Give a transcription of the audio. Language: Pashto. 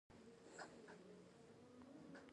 هر هغه څه چې زما او ستا تر منځ و ټول ښه وو.